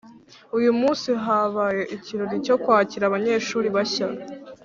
Uyumunsi habaye ikirori cyo kwakira abanyeshuri bashya